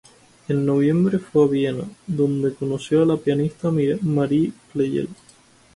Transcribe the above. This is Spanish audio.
En noviembre fue a Viena, donde conoció a la pianista Marie Pleyel.